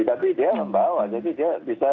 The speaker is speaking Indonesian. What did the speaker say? tapi dia membawa jadi dia bisa